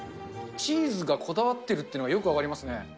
チーズがこだわってるというのがよく分かりますね。